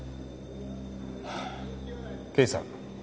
刑事さん